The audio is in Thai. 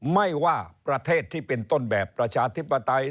ไม่ว่าประเทศที่เป็นต้นแบบประชาธิปไตย